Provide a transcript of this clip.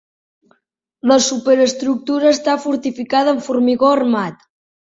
La superestructura està fortificada amb formigó armat.